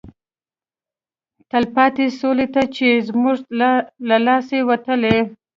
تلپاتې سولې ته چې زموږ له لاسه وتلی